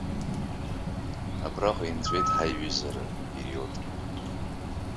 Абраҟа инҵәеит ҳаиҩызара апериодк.